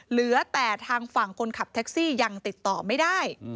เหลือแต่ทางฝั่งคนขับแท็กซี่ยังติดต่อไม่ได้